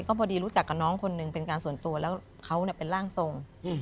พอดีรู้จักกับน้องคนหนึ่งเป็นการส่วนตัวแล้วเขาเป็นร่างทรง